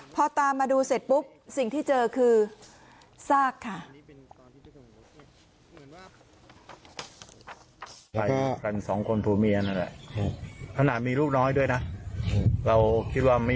พอตามมาดูเสร็จปุ๊บสิ่งที่เจอคือซากค่ะ